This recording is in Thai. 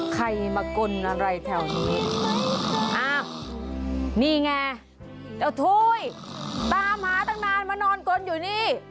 ใครมากลอะไรแถวนี้อ้าวนี่ไงเจ้าถ้วยตามหาตั้งนานมานอนกลอยู่นี่